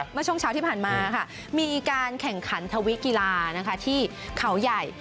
เมื่อช่วงเช้าที่ผ่านมาค่ะมีการแข่งขันทวิกีฬาที่เขาใหญ่